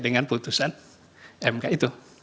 dengan putusan mk itu